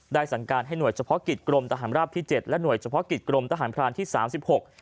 สั่งการให้หน่วยเฉพาะกิจกรมทหารราบที่เจ็ดและห่วยเฉพาะกิจกรมทหารพรานที่สามสิบหก